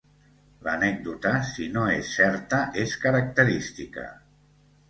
L'anècdota, si no és certa és característica